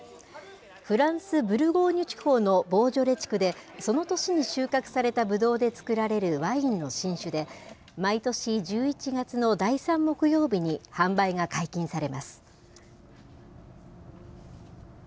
フランス・ブルゴーニュ地方のボージョレ地区で、その年に収穫されたぶどうで造られるワインの新酒で、毎年１１月の第３木曜日に販売が解禁されます。